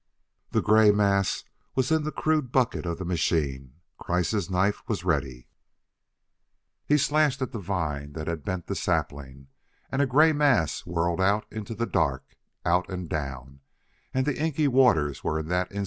The gray mass was in the crude bucket of the machine. Kreiss' knife was ready. He slashed at the vine that he'd the bent sapling, and a gray mass whirled out into the dark; out and down and the inky waters were in that instant ablaze with fire.